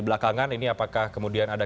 belakangan ini apakah kemudian ada